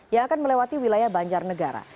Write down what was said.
yang akan melewati wilayah banjar negara